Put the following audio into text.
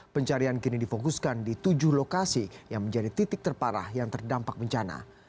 pencarian kini difokuskan di tujuh lokasi yang menjadi titik terparah yang terdampak bencana